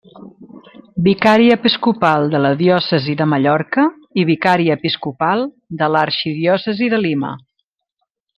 Vicari Episcopal de la diòcesi de Mallorca i Vicari Episcopal de l'Arxidiòcesi de Lima.